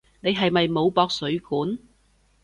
你係咪冇駁水管？